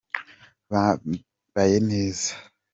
bambaye neza.